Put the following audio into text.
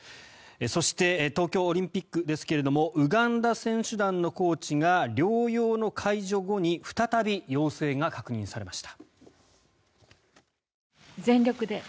そして、東京オリンピックですがウガンダ選手団のコーチが療養の解除後に再び陽性が確認されました。